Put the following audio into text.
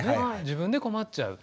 自分で困っちゃう。